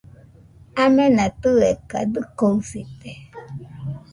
Amena tɨeka dɨkoɨsite